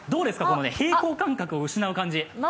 平衡感覚を失う感じ。